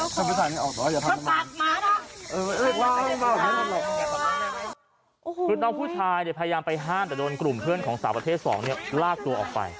คือน้องผู้ชายเนี่ยพยายามไปห้ามแต่โดนกลุ่มเพื่อนของสาวประเภทสองเนี่ยลากตัวออกไป